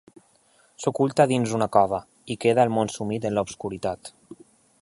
S'oculta dins una cova, i queda el món sumit en l'obscuritat.